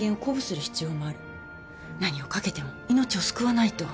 何をかけても命を救わないと。